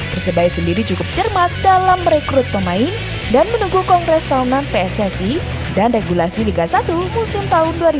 persebaya sendiri cukup cermat dalam merekrut pemain dan menunggu kongres tahunan pssi dan regulasi liga satu musim tahun dua ribu dua puluh